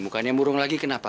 mukanya murung lagi kenapa